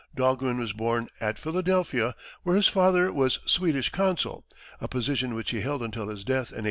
Dahlgren was born at Philadelphia, where his father was Swedish consul, a position which he held until his death in 1824.